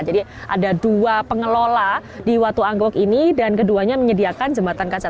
jadi ada dua pengelola di batu angkruk ini dan keduanya menyediakan jembatan kaca